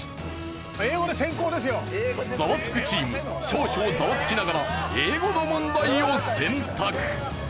チーム少々ザワつきながら英語の問題を選択。